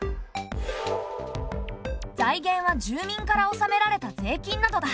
財源は住民から納められた税金などだ。